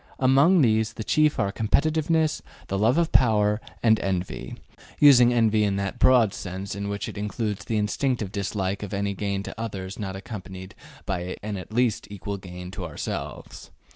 Among these the chief are competitiveness, love of power, and envy, using envy in that broad sense in which it includes the instinctive dislike of any gain to others not accompanied by an at least equal gain to ourselves.